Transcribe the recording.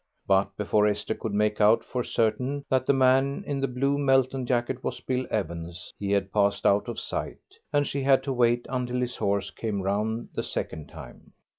But before Esther could make out for certain that the man in the blue Melton jacket was Bill Evans he had passed out of sight, and she had to wait until his horse came round the second time.